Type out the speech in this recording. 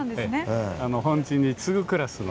本陣に次ぐクラスの。